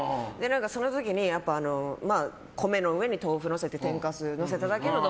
その時に、米の上に豆腐のせて天かすのせただけの丼。